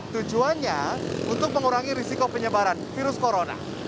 tujuannya untuk mengurangi risiko penyebaran virus corona